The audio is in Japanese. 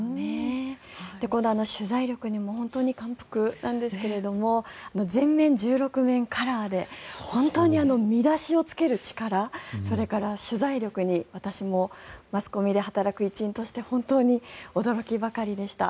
この取材力にも本当に感服なんですけれども全面１６面カラーで本当に見出しをつける力それから取材力に私もマスコミで働く一員として本当に驚きばかりでした。